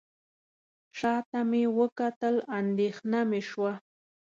شاته مې وکتل اندېښنه مې شوه.